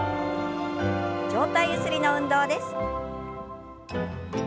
上体ゆすりの運動です。